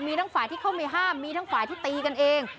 มีทั้งฝ่ายที่เข้าไปห้ามมีทั้งฝ่ายที่ตีกันเอง